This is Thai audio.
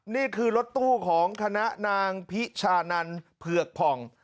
นี่คือรถตู้ของคณะนางพิชานันเผือกผ่อง